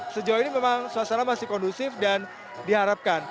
sejauh ini memang suasana masih kondusif dan diharapkan